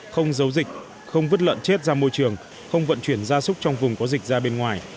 không giấu dịch không vứt lợn chết ra môi trường không vận chuyển gia súc trong vùng có dịch ra bên ngoài